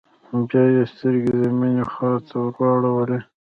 بيا يې سترګې د مينې خواته واړولې.